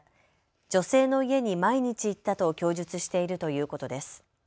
女性の家に毎日行ったと供述しているということです。